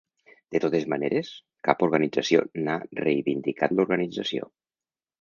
De totes maneres, cap organització n’ha reivindicat l’organització.